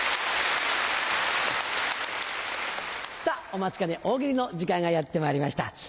お待ちかね大喜利の時間がやってまいりました。